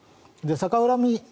逆恨み